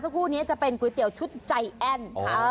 คู่นี้จะเป็นก๋วยเตี๋ยวชุดใจแอ้น